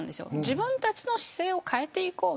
自分たちの姿勢を変えていこう。